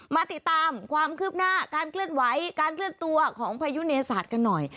มาติดตามความคืบหน้าการเคลื่อนไหวการเคลื่อนตัวของพายุเนศาสตร์กันหน่อย